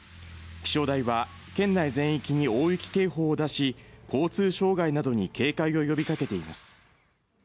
気象台は県内全域に大雪警報を出し、交通障害などに警戒を呼びかけています。